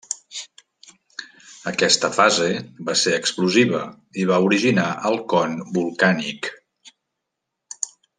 Aquesta fase va ser explosiva i va originar el con volcànic.